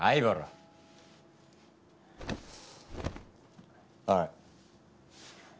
はい。